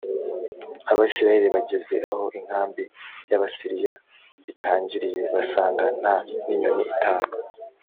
abasiriya bageze aho inkambi y abasiriya itangiriye basanga nta n inyoni itamba